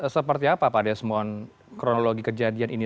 seperti apa pak desmond kronologi kejadian ini